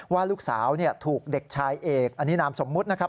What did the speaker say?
ว่าลูกสาวถูกเด็กชายเอกอันนี้นามสมมุตินะครับ